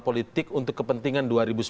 politik untuk kepentingan dua ribu sembilan belas